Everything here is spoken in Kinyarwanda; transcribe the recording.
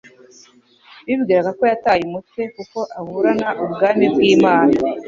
Bibwiraga ko yataye umutwe kuko aburana ubwami bw'Imana